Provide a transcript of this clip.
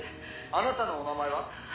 「あなたのお名前は？」